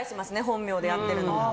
本名でやってるのを。